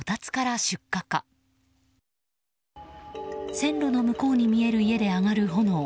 線路の向こうに見える家で上がる炎。